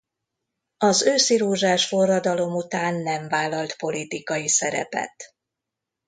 Az őszirózsás forradalom után nem vállalt politikai szerepet.